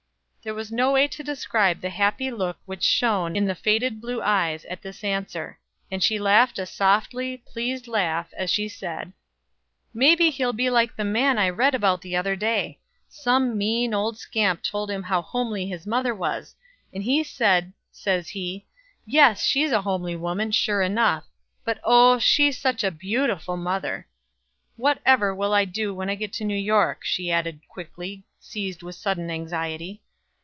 There is no way to describe the happy look which shone in the faded blue eyes at this answer; and she laughed a softly, pleased laugh as she said: "Maybe he'll be like the man I read about the other day. Some mean, old scamp told him how homely his mother was; and he said, says he, 'Yes, she's a homely woman, sure enough; but oh she's such a beautiful mother!' What ever will I do when I get in New York," she added quickly, seized with a sudden anxiety.